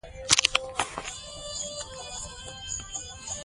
ماري کوري د نوې ماده اندازه وکړه.